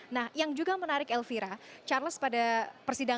nah yang juga menarik elvira charles pada persidangan